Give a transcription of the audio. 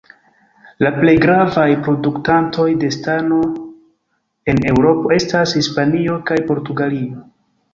La plej gravaj produktantoj de stano en Eŭropo estas Hispanio kaj Portugalio.